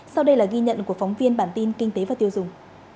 sau đây là ghi nhận của phóng viên bản tin kinh tế và tiêu dùng